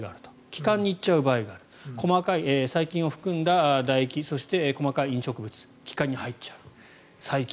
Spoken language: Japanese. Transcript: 気管に行っちゃう場合がある細かい細菌を含んだだ液やそして細かい飲食物が気管に入っちゃう。